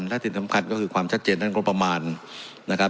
และที่สำคัญก็คือความชัดเจนด้านงบประมาณนะครับ